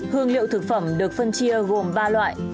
hương liệu thực phẩm được phân chia gồm ba loại